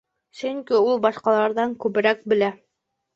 Сөнки ул башҡаларҙан күберәк белә.